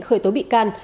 khởi tối bị can